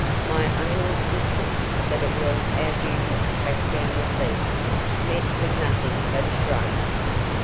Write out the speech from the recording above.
My own insistence that it was our duty to track down the thief met with nothing but a shrug.